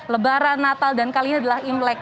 lebaran natal dan kali ini adalah imlek